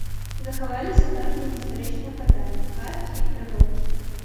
Захаваліся многія гістарычныя паданні, казкі і прымаўкі.